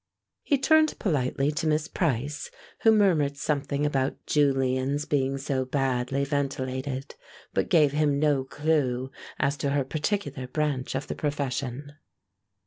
He turned politely to Miss Price, who murmured something about Julian's being so badly ventilated, but gave him no clew as to her particular branch of the profession.